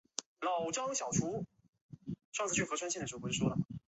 担任茂名市质量计量监督检测所高级工程师。